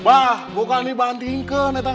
mbah bukan dibantingkan